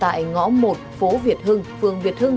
tại ngõ một phố việt hưng phương việt hưng